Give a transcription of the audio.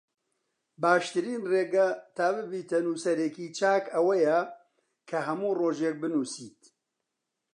باشترین ڕێگە تا ببیتە نووسەرێکی چاک ئەوەیە کە هەموو ڕۆژێک بنووسیت